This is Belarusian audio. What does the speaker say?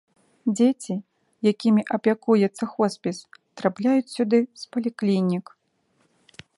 Дзеці, якімі апякуецца хоспіс, трапляюць сюды з паліклінік.